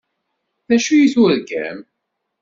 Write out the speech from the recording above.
D acu i turgam?